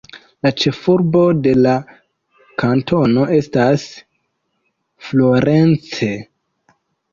La ĉefurbo de la kantono estas Florence.